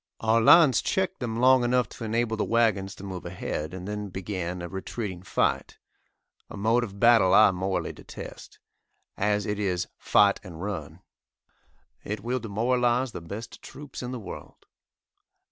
Our lines checked them long enough to enable the wagons to move ahead, and then began a retreating fight a mode of battle I morally detest, as it is "fight and run." It will demoralise the best troops in the world.